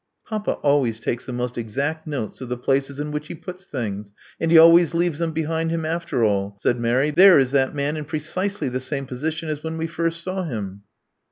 Papa always takes the most exact notes of the places in which he puts things; and he always leaves them behind him after all," said Mary. There is that man in precisely the same position as when we first saw him.